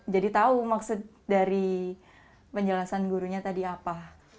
jadi tahu maksud dari penjelasan gurunya tadi apa